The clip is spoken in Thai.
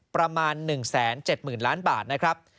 ประมาณ๑๗๐๐ล้านบาทนะครับ